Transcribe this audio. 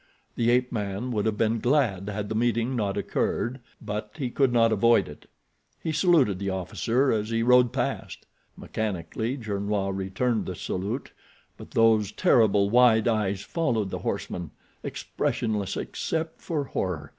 The ape man would have been glad had the meeting not occurred, but he could not avoid it. He saluted the officer as he rode past. Mechanically Gernois returned the salute, but those terrible, wide eyes followed the horseman, expressionless except for horror.